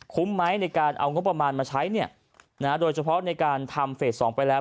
คุ้มไหมในการเอางบประมาณมาใช้โดยเฉพาะในการทำเฟส๒ไปแล้ว